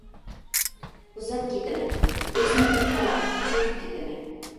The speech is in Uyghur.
ئۇزاپ كىتىمەن ئۆزۈمگە قاراپ چۆكۈپ كىتىمەن.